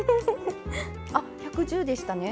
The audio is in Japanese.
あ１１０でしたね。